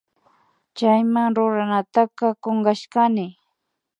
Chayma ruranataka kunkashkani